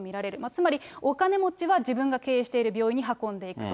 つまりお金持ちは自分が経営している病院に運んでいくと。